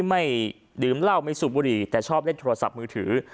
ไม่ดื่มเหล้าไม่สูบบุหรี่แต่ชอบเล่นโทรศัพท์มือถือ